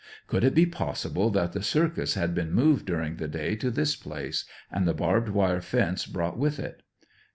Could it be possible that the circus had been moved during the day to this place, and the barbed wire fence brought with it?